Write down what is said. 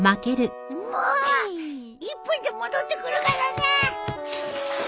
もう１分で戻ってくるからね